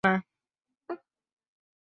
কারও সঙ্গে কথা বলতেন না।